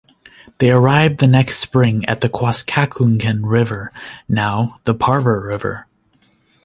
They arrived the next spring at the Quascacunquen River, now the Parker River.